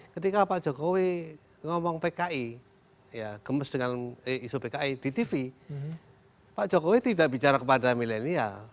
ketika pak jokowi ngomong pki gemes dengan isu pki di tv pak jokowi tidak bicara kepada milenial